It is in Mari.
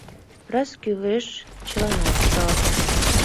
Раз кӱлеш — чыланат кудалза.